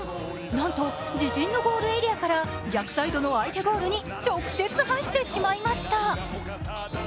なんと自陣のゴールエリアから逆サイドの相手ゴールに直接入ってしまいました。